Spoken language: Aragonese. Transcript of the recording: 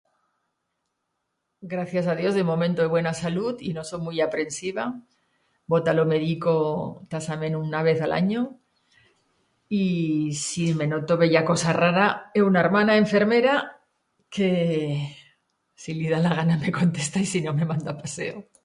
Gracias a Dios de momento he buena salut y no so muit aprehensiva. Vo ta lo medico tasament una vez a l'anyo. Y si me noto bella cosa rara, he una ermana enfermera que... si li da la gana me contesta, y si no, me manda a paseo.